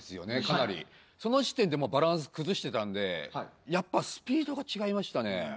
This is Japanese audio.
かなりその時点でもうバランス崩してたんでやっぱスピードが違いましたね